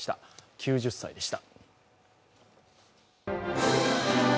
９０歳でした。